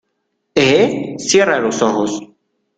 ¿ eh? cierra los ojos.